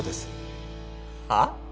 はっ？